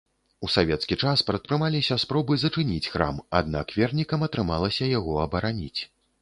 У савецкі час прадпрымаліся спробы зачыніць храм, аднак вернікам атрымалася яго абараніць.